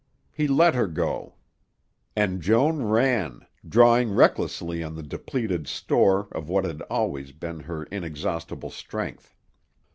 He let her go. And Joan ran, drawing recklessly on the depleted store of what had always been her inexhaustible strength.